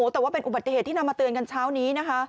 แต่ว่าเป็นอุบัติเหตุที่นำมาเตือนกันเช้านี้นะคะ